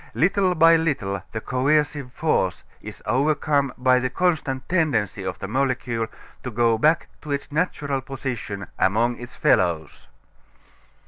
Little by little the coercive force is overcome by the constant tendency of the molecule to go back to its natural position among its fellows.